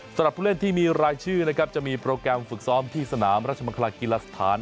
สำหรับผู้เล่นที่มีรายชื่อนะครับจะมีโปรแกรมฝึกซ้อมที่สนามราชมังคลากีฬาสถาน